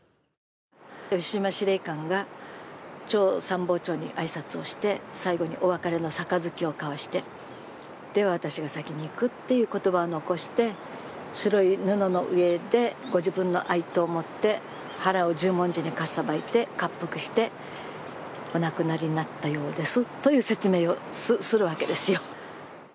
牛島司令官が長参謀長に挨拶をして、最後にお別れの盃を交わして「私が先に行く」という言葉を残して、白い布の上で、ご自分の哀悼を持って腹を十文字にかっさばいて割腹してお亡くなりになったようですという説明をするわけですよ。